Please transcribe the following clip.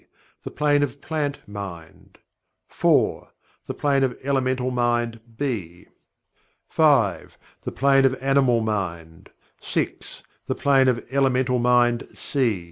The Plane of Plant Mind 4. The Plane of Elemental Mind (B) 5. The Plane of Animal Mind 6. The Plane of Elemental Mind (C) 7.